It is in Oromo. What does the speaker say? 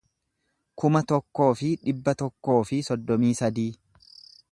kuma tokkoo fi dhibba tokkoo fi soddomii sadii